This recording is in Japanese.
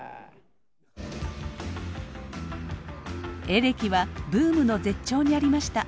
エレキはブームの絶頂にありました。